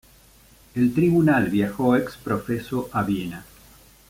El tribunal viajó ex profeso a Viena.